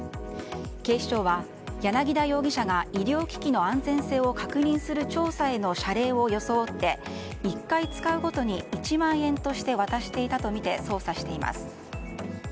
警視庁は柳田容疑者が医療機器の安全性を確認する調査への謝礼を装って１回使うごとに１万円として渡していたとみて捜査しています。